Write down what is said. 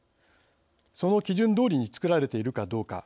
その基準どおりに造られているかどうか。